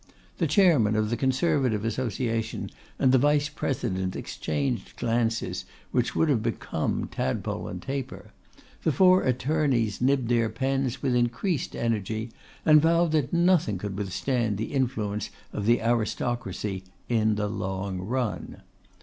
The Chairman of the Conservative Association and the Vice President exchanged glances, which would have become Tadpole and Taper; the four attorneys nibbed their pens with increased energy, and vowed that nothing could withstand the influence of the aristocracy 'in the long run.